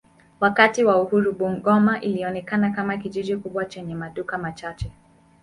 Wakati wa uhuru Bungoma ilionekana kama kijiji kikubwa chenye maduka machache.